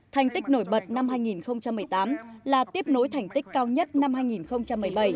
thành tích nổi bật năm hai nghìn một mươi tám là tiếp nối thành tích cao nhất năm hai nghìn một mươi bảy